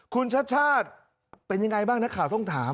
คุณชชาติเป็นยังไงบ้างน่ะค่ะต้องถาม